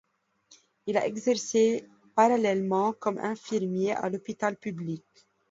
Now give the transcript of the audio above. Il a exercé parallèlement comme infirmier à l'hôpital public.